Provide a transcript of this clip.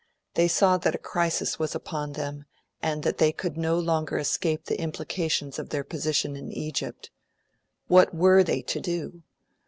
They saw that a crisis was upon them, and that they could no longer escape the implications of their position in Egypt. What were they to do?